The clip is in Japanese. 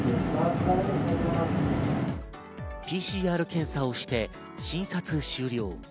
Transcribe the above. ＰＣＲ検査をして診察終了。